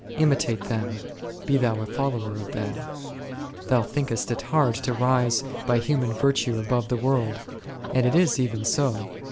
Imitate them, be thou a follower of them. Thou thinkest it hard to rise by human virtue above the world ; and it is even so.